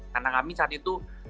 karena kami saat itu